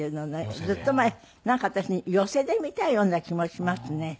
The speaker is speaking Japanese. ずっと前なんか私寄席で見たような気もしますね。